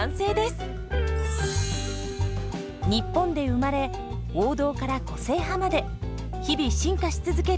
日本で生まれ王道から個性派まで日々進化し続けるカレーパン。